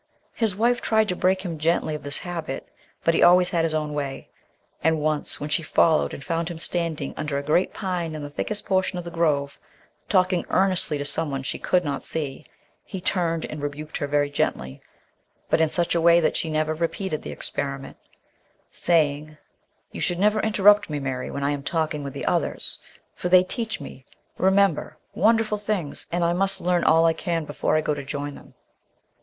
His wife tried to break him gently off this habit, but he always had his own way; and once, when she followed and found him standing under a great pine in the thickest portion of the grove, talking earnestly to someone she could not see, he turned and rebuked her very gently, but in such a way that she never repeated the experiment, saying "You should never interrupt me, Mary, when I am talking with the others; for they teach me, remember, wonderful things, and I must learn all I can before I go to join them."